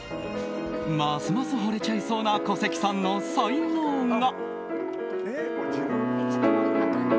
ますますほれちゃいそうな小関さんの才能が。